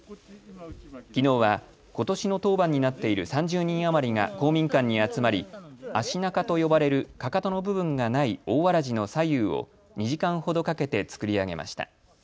きのうは、ことしの当番になっている３０人余りが公民館に集まりあしなかと呼ばれる、かかとの部分がない大わらじの左右を２時間ほどかけて作り上げました。